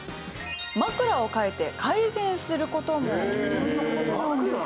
枕を変えて改善する事も。という事なんです。